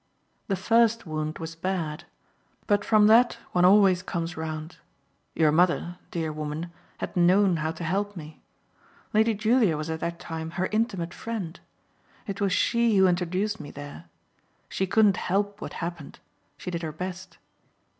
"The first wound was bad but from that one always comes round. Your mother, dear woman, had known how to help me. Lady Julia was at that time her intimate friend it was she who introduced me there. She couldn't help what happened she did her best.